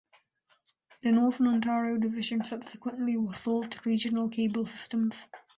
The Northern Ontario division, subsequently, was sold to Regional Cablesystems.